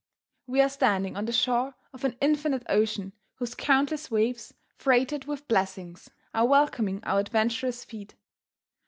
We are standing on the shore of an infinite ocean whose countless waves, freighted with blessings, are welcoming our adventurous feet.